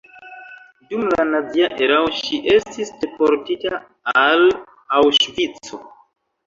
Dum la nazia erao ŝi estis deportita al Aŭŝvico.